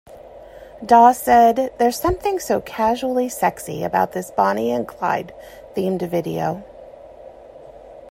Daw said There's something so casually sexy about this Bonnie and Clyde-themed video.